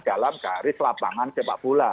dalam garis lapangan sepak bola